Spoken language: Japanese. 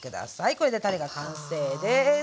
これでたれが完成です。